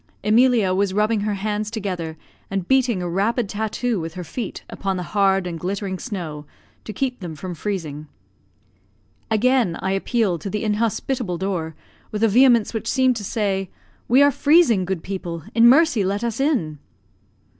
Emilia was rubbing her hands together, and beating a rapid tattoo with her feet upon the hard and glittering snow, to keep them from freezing. Again I appealed to the inhospitable door, with a vehemence which seemed to say, "We are freezing, good people; in mercy let us in!"